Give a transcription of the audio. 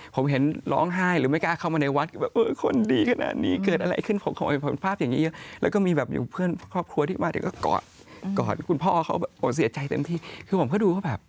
ผมเห็นร้องไห้หรือไม่กลัวเข้ามาในวัด